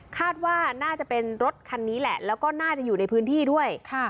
คาดว่าน่าจะเป็นรถคันนี้แหละแล้วก็น่าจะอยู่ในพื้นที่ด้วย